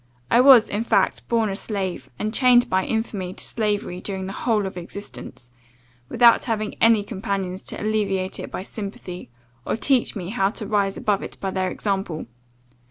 I was, in fact, born a slave, and chained by infamy to slavery during the whole of existence, without having any companions to alleviate it by sympathy, or teach me how to rise above it by their example.